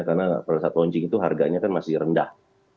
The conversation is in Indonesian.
karena pada saat launching itu harganya kan masih rendah